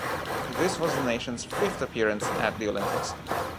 This was the nation's fifth appearance at the Olympics.